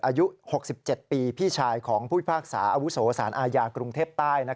อายุ๖๗ปีพี่ชายของผู้พิพากษาอาวุโสสารอาญากรุงเทพใต้